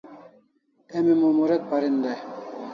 Emi Mumuret parin dai